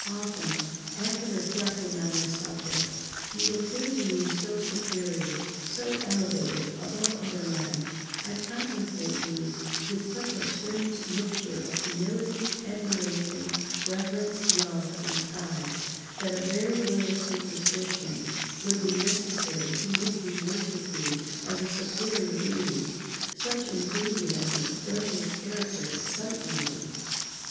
Often, after reflecting on this subject, you appear to me so superior, so elevated above other men—I contemplate you with such a strange mixture of humility, admiration, [Pg 71]reverence, love, and pride, that a very little superstition would be necessary to make me worship you as a superior being, such enthusiasm does your character excite in me.